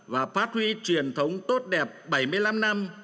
và phát huy truyền thống tốt đẹp bảy mươi năm năm